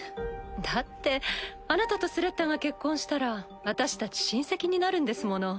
だってあなたとスレッタが結婚したら私たち親戚になるんですもの。